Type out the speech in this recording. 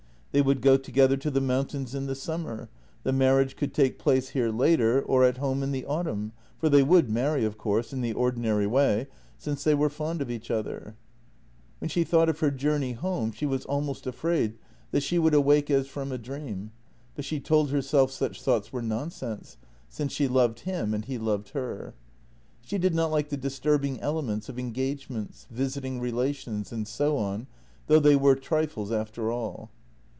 They would go together to the mountains in the summer; the marriage could take place here later, or at home in the autumn, for they would marry, of course, in the ordinary way, since they were fond of each other. 1 12 JENNY When she thought of her journey home, she was almost afraid that she would awake as from a dream, but she told herself such thoughts were nonsense, since she loved him and he loved her. She did not like the disturbing elements of engagements, visiting relations, and so on, though they were trifles after all.